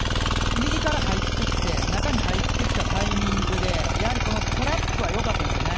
右から入ってきて中に入ってきたタイミングでトラップはよかったんですよね。